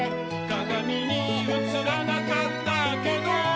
「かがみにうつらなかったけど」